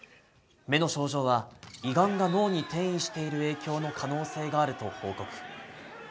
目の症状は胃がんが脳に転移している影響の可能性があると報告。